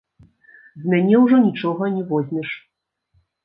З мяне ўжо нічога не возьмеш.